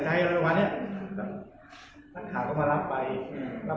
โอ้ยไม่ได้โอน่าขอบคุยส่วนปลอมครับ